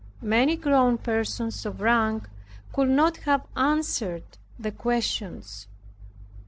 Many grown persons of rank could not have answered the questions.